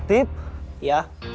saya sama pancada yang mukulin